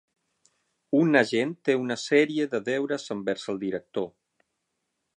Un agent té una sèrie de deures envers el director.